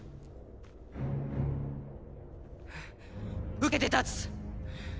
受けて立つ！